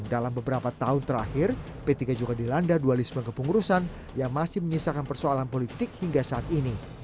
dalam beberapa tahun terakhir p tiga juga dilanda dualisme kepengurusan yang masih menyisakan persoalan politik hingga saat ini